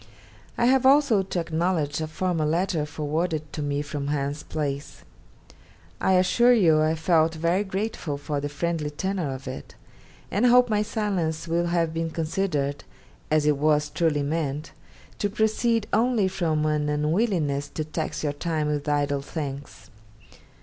I have also to acknowledge a former letter forwarded to me from Hans Place. I assure you I felt very grateful for the friendly tenor of it, and hope my silence will have been considered, as it was truly meant, to proceed only from an unwillingness to tax your time with idle thanks.